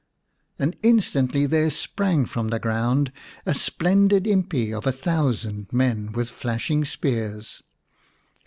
And instantly there sprang from the ground a splendid impi of a thousand men with flashing spears.